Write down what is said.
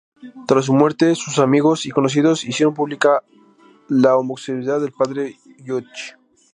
Tras su muerte, sus amigos y conocidos hicieron pública la homosexualidad del padre Judge.